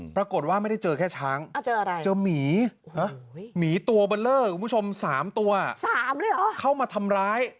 ปรากฏว่าไม่ได้เจอแค่ช้างเจอหมีหมีตัวเบลอคุณผู้ชม๓ตัวเข้ามาทำร้าย